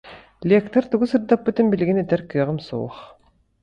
Лектор тугу сырдаппытын билигин этэр кыаҕым суох